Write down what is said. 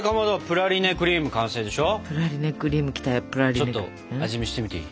ちょっと味見してみていい？